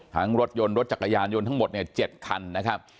รถยนต์รถจักรยานยนต์ทั้งหมด๗คันนะครับ